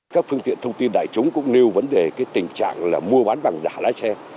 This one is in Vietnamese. các phương tiện thông tin đại chúng cũng nêu vấn đề tình trạng là mua bán vàng giả lái xe